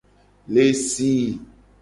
Le si.